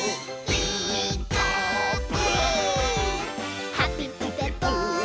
「ピーカーブ！」